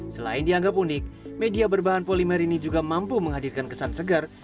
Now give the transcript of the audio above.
selain dianggap unik media berbahan polimer ini juga mampu menghadirkan kesan segar